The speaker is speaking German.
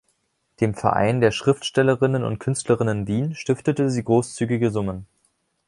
Dem Verein der Schriftstellerinnen und Künstlerinnen Wien stiftete sie großzügige Summen.